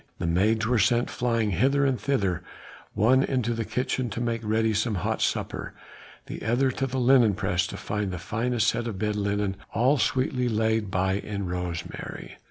The maids were sent flying hither and thither, one into the kitchen to make ready some hot supper, the other to the linen press to find the finest set of bed linen all sweetly laid by in rosemary.